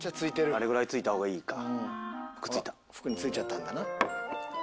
あれぐらいついた方がいいんか。